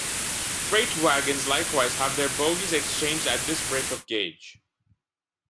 Freight wagons likewise have their bogies exchanged at this break-of-gauge.